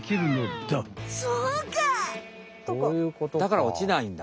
だからおちないんだ。